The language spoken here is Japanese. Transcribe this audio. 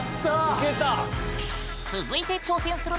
いけた！